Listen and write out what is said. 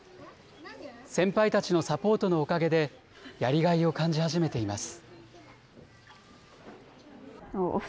先輩たちのサポートのおかげで、やりがいを感じ始めています。